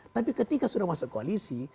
tapi ketika sudah masuk koalisi